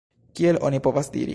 Kiel ni povas diri?